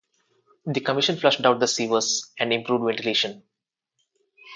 The commission flushed out the sewers and improved ventilation.